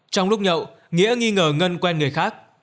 trong lúc nhậu nghĩa nghi ngờ ngân quen người khác